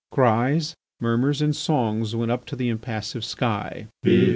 Cries, murmurs, and songs went up to the impassive sky.